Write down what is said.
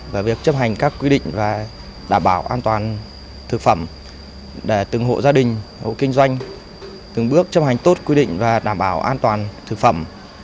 và việc chấp hành các quy định về đảm bảo an toàn thực phẩm để từng hộ gia đình hộ kinh doanh từng bước chấp hành tốt quy định và đảm bảo an toàn thực phẩm